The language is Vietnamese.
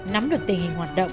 nắm được tình hình hoạt động